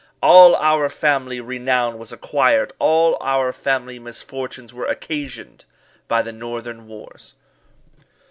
All our family renown was acquired all our family misfortunes were occasioned by the northern wars.